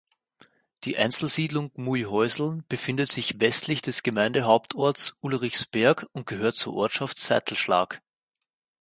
Die Einzelsiedlung Gmuihäuseln befindet sich westlich des Gemeindehauptorts Ulrichsberg und gehört zur Ortschaft Seitelschlag.